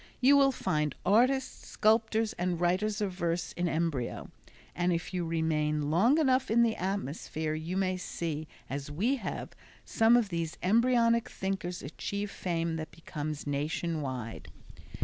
You will find artists, sculptors, and writers of verse in embryo, and if you remain long enough in the atmosphere you may see, as we have, some of these embryonic thinkers achieve fame that becomes nation wide.